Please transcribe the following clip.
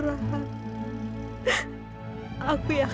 aku yakin kamu pasti senang melihat aku seperti ini